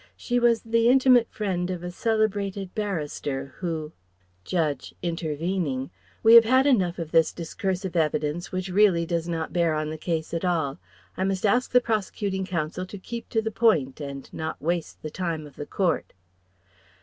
She was the intimate friend of a celebrated barrister who " Judge, intervening: "We have had enough of this discursive evidence which really does not bear on the case at all. I must ask the prosecuting counsel to keep to the point and not waste the time of the court."